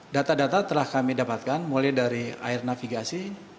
data data telah kami dapatkan mulai dari air navigasi